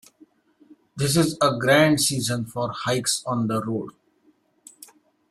This is a grand season for hikes on the road.